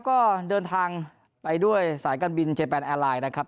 ก็เดินทางไปด้วยสายการบินเจแปนแอร์ไลน์นะครับ